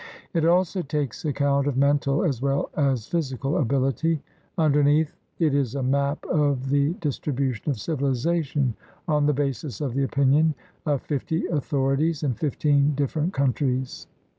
It also takes account of mental as well as physical ability. Underneath it is a map of the distribution of civilization on the basis of the opinion of fifty authorities in fifteen different coun tries.